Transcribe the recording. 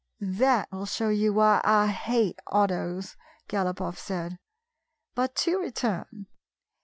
" That will show you why I hate autos," Gal opoff said. " But to return.